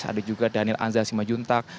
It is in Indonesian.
ada juga daniel anza simajuntak